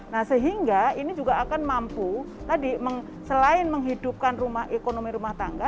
nah sehingga ini juga akan mampu tadi selain menghidupkan rumah ekonomi rumah tangga